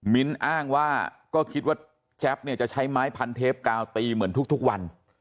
อ้างว่าก็คิดว่าแจ๊บเนี่ยจะใช้ไม้พันเทปกาวตีเหมือนทุกวัน